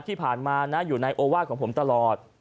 ที่ผ่านมานะอยู่ในโอวาสของผมตลอด